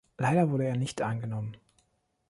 Leider wurde er nicht angenommen.